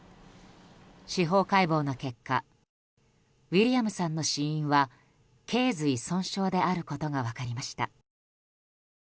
司法解剖の結果ウィリアムさんの死因は頸髄損傷であることが分かりました。